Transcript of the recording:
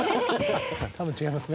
多分違いますね。